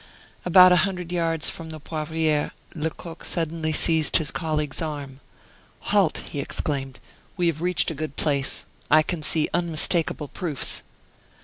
About a hundred yards from the Poivriere, Lecoq suddenly seized his colleague's arm. "Halt!" he exclaimed, "we have reached a good place; I can see unmistakable proofs."